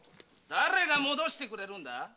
誰が戻してくれるんだ？